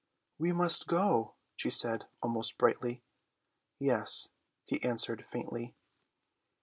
"We must go," she said, almost brightly. "Yes," he answered faintly.